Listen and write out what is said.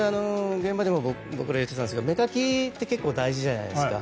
現場でも僕ら、言っていたんですが芽かきって結構大事じゃないですか。